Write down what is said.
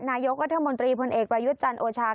นายกรัฐมนตรีพลเอกประยุทธ์จันทร์โอชา